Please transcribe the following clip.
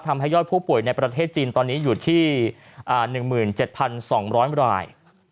ทำให้ยอดผู้ป่วยในประเทศจีนตอนนี้อยู่ที่๑๗๒๐๐ราย